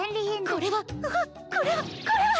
これはこれはこれは！